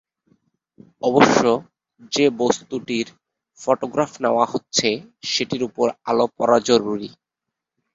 অবশ্য যে বস্তুটির ফটোগ্রাফ নেওয়া হচ্ছে, সেটির উপর আলো পড়া জরুরি।